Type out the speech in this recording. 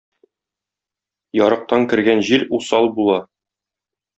Ярыктан кергән җил усал була.